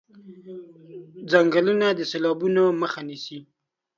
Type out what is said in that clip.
ځنګلونه د سېلابونو مخه نيسي.